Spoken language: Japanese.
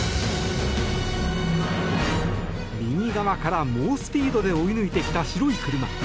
右側から猛スピードで追い抜いてきた白い車。